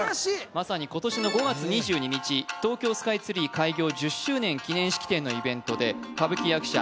まさに今年の５月２２日東京スカイツリー開業１０周年記念式典のイベントで歌舞伎役者